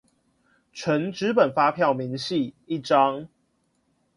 純紙本發票明細一張